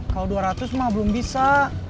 kalau dua ratus mah belum bisa